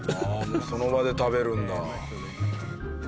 その場で食べるんだ。